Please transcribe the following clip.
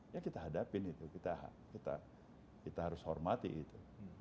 ya kita hadapin itu kita harus hormati itu